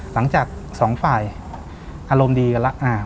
หลังจาก๒ฝ่ายอารมณ์ดีกันแล้ว